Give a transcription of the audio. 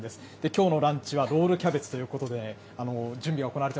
きょうのランチはロールキャベツということで、準備が行われて。